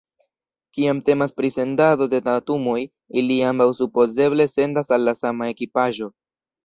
Kiam temas pri sendado de datumoj, ili ambaŭ supozeble sendas al la sama ekipaĵo.